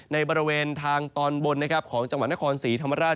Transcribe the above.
ในบริเวณทางตอนบนของจังหวัดนครสีธรรมราช